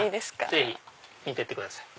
ぜひ見てってください。